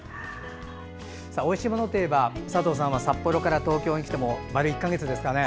おいしいものといえば佐藤さんは札幌から東京に来て、丸１か月ですかね。